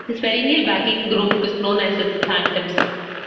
His perennial backing group was known as The Phantoms.